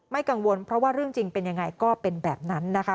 กังวลเพราะว่าเรื่องจริงเป็นยังไงก็เป็นแบบนั้นนะคะ